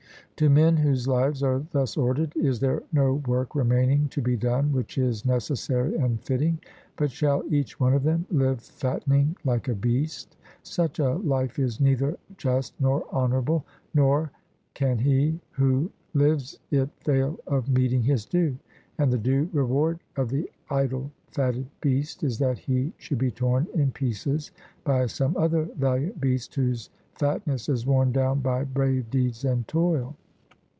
To men whose lives are thus ordered, is there no work remaining to be done which is necessary and fitting, but shall each one of them live fattening like a beast? Such a life is neither just nor honourable, nor can he who lives it fail of meeting his due; and the due reward of the idle fatted beast is that he should be torn in pieces by some other valiant beast whose fatness is worn down by brave deeds and toil.